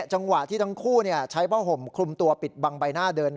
จังหวะที่ทั้งคู่ใช้ผ้าห่มคลุมตัวปิดบังใบหน้าเดิน